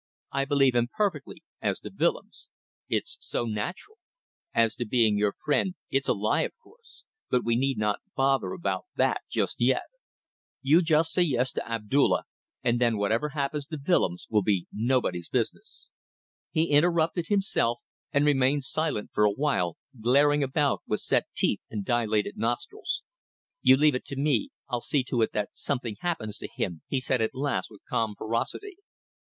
I believe him perfectly, as to Willems. It's so natural. As to being your friend it's a lie of course, but we need not bother about that just yet. You just say yes to Abdulla, and then whatever happens to Willems will be nobody's business." He interrupted himself and remained silent for a while, glaring about with set teeth and dilated nostrils. "You leave it to me. I'll see to it that something happens to him," he said at last, with calm ferocity.